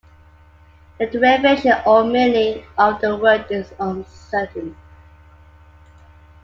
The derivation or meaning of the word is uncertain.